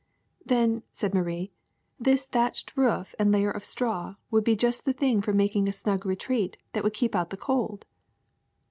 '^ ^'Then,'' said Marie, "this thatched roof and layer of straw would be just the thing for making a snug retreat that would keep out the cold.